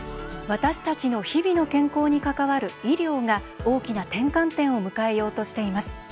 私たちの日々の健康に関わる医療が大きな転換点を迎えようとしています。